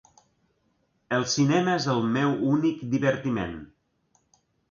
El cinema és el meu únic divertiment.